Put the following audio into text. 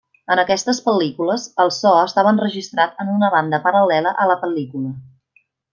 En aquestes pel·lícules, el so estava enregistrat en una banda paral·lela a la pel·lícula.